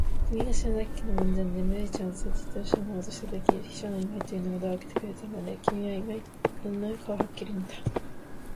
きみが篠崎家の門前で、緑ちゃんをつれて自動車に乗ろうとしたとき、秘書の今井というのがドアをあけてくれたんだね。きみは今井君の顔をはっきり見たのかね。